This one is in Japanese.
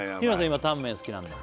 今タンメン好きなんだ